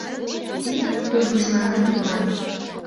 Ӱдыр тургыжлана докан.